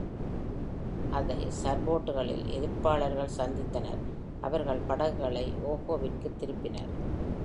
அதை சர்போர்டுகளில் எதிர்ப்பாளர்கள் சந்தித்தனர், அவர்கள் படகுகளை ஓஹுவிற்கு திருப்பினர்.